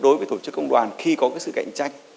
đối với tổ chức công đoàn khi có sự cạnh tranh